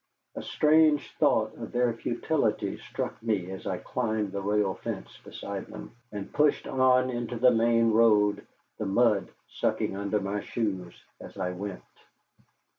A strange thought of their futility struck me as I climbed the rail fence beside them, and pushed on into the main road, the mud sucking under my shoes as I went.